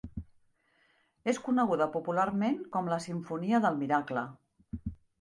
És coneguda popularment com la simfonia del miracle.